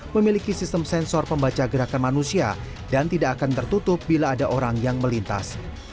memiliki sistem sensor pembaca gerakan manusia dan tidak akan tertutup bila ada orang yang melintas